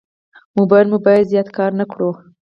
موبایل مو باید زیات کار نه کړو.